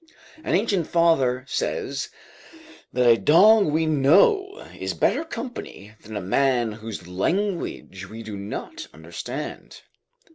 An ancient father says "that a dog we know is better company than a man whose language we do not understand."